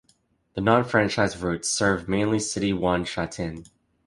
The non-franchised routes serve mainly City One Sha Tin.